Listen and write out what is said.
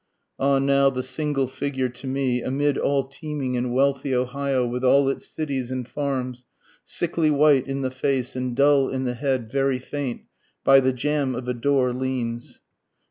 _ Ah now the single figure to me, Amid all teeming and wealthy Ohio with all its cities and farms, Sickly white in the face and dull in the head, very faint, By the jamb of a door leans.